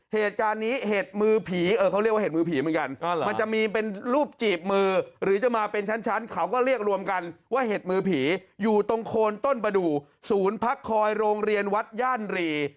เหตุการณ์นี้เห็ดมือผีเขาเรียกว่าเห็ดมือผีเหมือนกันมันจะมีเป็นรูปจีบมือหรือจะมาเป็นชั้นเขาก็เรียกรวมกันว่าเห็ดมือผีอยู่ตรงโคนต้นประดูกศูนย์พักคอยโรงเรียนวัดย่านรี